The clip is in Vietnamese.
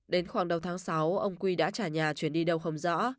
đến khoảng đầu tháng sáu ông quy đã trả nhà chuyển đi đâu không rõ